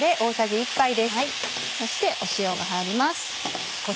そして塩が入ります。